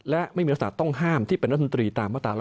และไม่มีโอกาสต้องห้ามที่เป็นรัฐมนตรีตามมาตรา๑๕